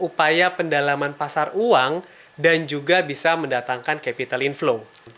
upaya pendalaman pasar uang dan juga bisa mendatangkan capital inflow